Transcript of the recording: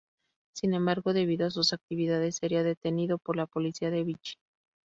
Sin embargo, debido a sus actividades sería detenido por la policía de Vichy.